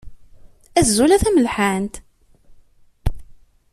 Azul a tamelḥant.